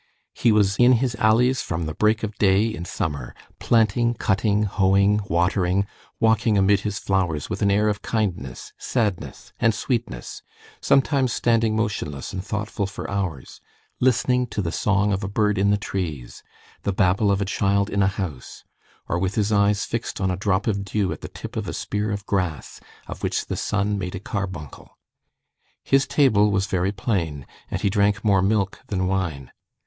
He was in his alleys from the break of day, in summer, planting, cutting, hoeing, watering, walking amid his flowers with an air of kindness, sadness, and sweetness, sometimes standing motionless and thoughtful for hours, listening to the song of a bird in the trees, the babble of a child in a house, or with his eyes fixed on a drop of dew at the tip of a spear of grass, of which the sun made a carbuncle. His table was very plain, and he drank more milk than wine.